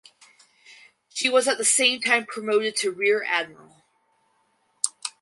She was at the same time promoted to rear admiral.